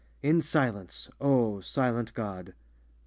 In silence, O Silent God.